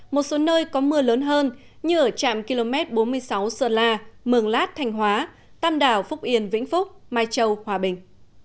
một số nơi có mưa lớn hơn như ở trạm km bốn mươi sáu sơn la mường lát thanh hóa tam đảo phúc yên vĩnh phúc mai châu hòa bình